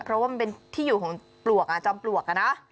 เพราะว่ามันเป็นที่อยู่ของปลวกจอมปลวกนะ